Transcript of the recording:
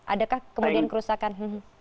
adakah kemudian kerusakan